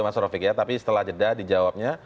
mas rofiq ya tapi setelah jeda dijawabnya